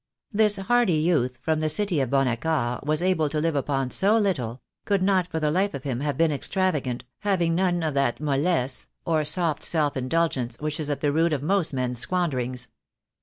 This hardy youth from the city of Bon Accord was able to live upon so little — could not for the THE DAY WILL COME. 45 life of him have been extravagant, having none of that mollesse, or soft self indulgence, which is at the root of most men's squanderings.